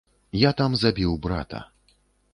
Я там забіў брата.